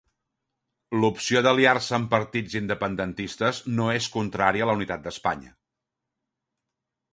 L'opció d'aliar-se amb partits independentistes no és contrària a la unitat d'Espanya.